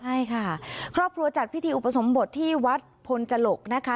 ใช่ค่ะครอบครัวจัดพิธีอุปสมบทที่วัดพลจลกนะคะ